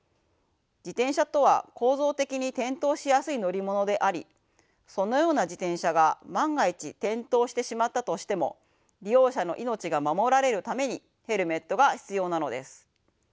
自転車とは構造的に転倒しやすい乗り物でありそのような自転車が万が一転倒してしまったとしても利用者の命が守られるためにヘルメットが必要なのです。